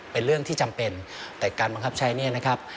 เป็นเรื่องที่จำเป็นแต่การบังคับใช้เนี่ยนะครับ